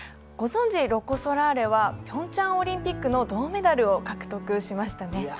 ご存じロコ・ソラーレはピョンチャンオリンピックの銅メダルを獲得しましたね。